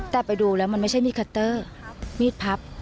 แต่ไปดูแล้วมันไม่ใช่มีดคัตเตอร์มีดพับ